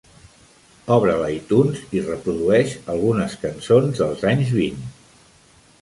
Obre l'Itunes i reprodueix algunes cançons dels anys vint.